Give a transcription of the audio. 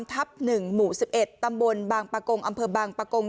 ทับหนึ่งหมู่สิบเอ็ดตำบลบางปากงอำเภอบางปากง